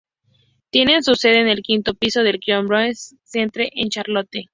Tiene su sede en el quinto piso del "Charlotte-Mecklenburg Government Center" en Charlotte.